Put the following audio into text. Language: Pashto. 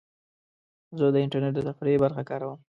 زه د انټرنیټ د تفریح برخه کاروم.